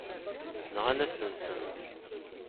Nɣan-asen-ten.